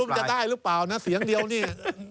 มันจะได้หรือเปล่านะเสียงเดียวนี่